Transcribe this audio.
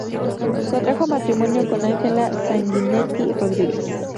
Contrajo matrimonio con Ángela Sanguinetti Rodríguez.